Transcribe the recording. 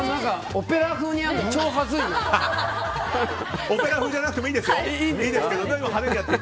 オペラ風じゃなくてもいいですよ。